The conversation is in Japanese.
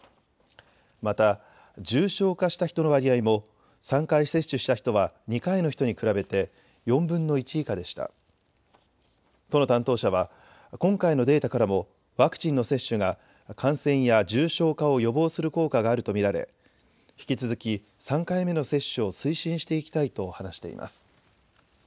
また重症化した人の割合も３回接種した人は２回の人に比べて４分の１以下でした。都の担当者は今回のデータからもワクチンの接種が感染や重症化を予防する効果があると見られ引き続き３回目の接種を推進していきたいと話しています。